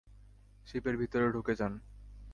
শিপের ভেতরে ঢুকে যান!